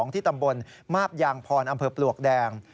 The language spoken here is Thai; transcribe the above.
ที่ตำบลมาบยางพรอำเภอปลวกแดง